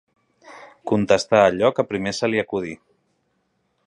Contestà allò que primer se li acudí.